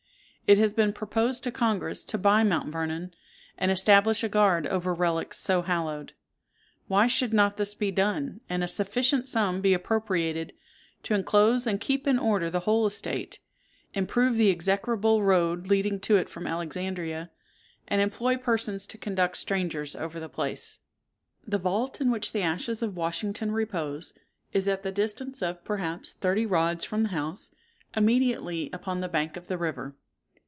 It has been proposed to Congress to buy Mount Vernon, and establish a guard over relics so hallowed. Why should not this be done, and a sufficient sum be appropriated to enclose and keep in order the whole estate, improve the execrable road leading to it from Alexandria, and employ persons to conduct strangers over the place? The vault in which the ashes of Washington repose, is at the distance of, perhaps, thirty rods from the house, immediately upon the bank of the river.